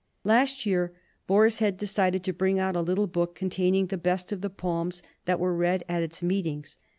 "Last year Boar's Head decided to bring out a little book containing the best of the poems that were read at its meetings.